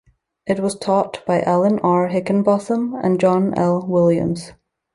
It was taught by Alan R. Hickinbotham and John L. Williams.